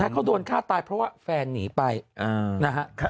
เขาโดนฆ่าตายเพราะว่าแฟนหนีไปนะฮะ